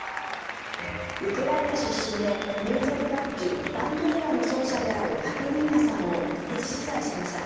ウクライナ出身で民族楽器バンドゥーラの奏者であるカテリーナさんを独自取材しました。